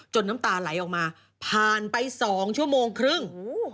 น้ำตาไหลออกมาผ่านไป๒ชั่วโมงครึ่ง